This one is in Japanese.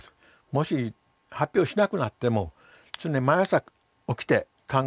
もし発表しなくなっても常に毎朝起きて考えることはですね